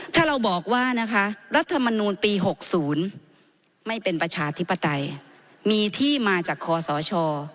ถ้าเราบอกว่านะคะรัฐมนูลปี๖๐ไม่เป็นประชาธิปไตยมีที่มาจากคอสช